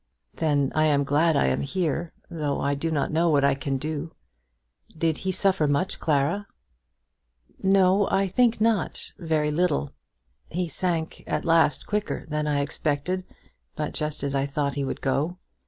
"Then I am glad I am here, though I do not know what I can do. Did he suffer much, Clara?" "No, I think not; very little. He sank at last quicker than I expected, but just as I thought he would go.